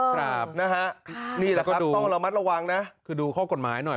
ครับนะฮะนี่แหละครับต้องระมัดระวังนะคือดูข้อกฎหมายหน่อย